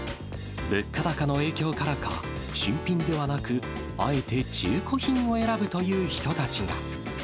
物価高の影響からか、新品ではなく、あえて中古品を選ぶという人たちが。